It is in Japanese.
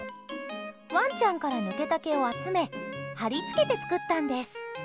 ワンちゃんから抜けた毛を集め貼り付けて作ったんです。